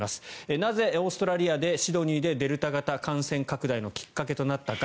なぜオーストラリアのシドニーでデルタ型、感染拡大のきっかけとなったか。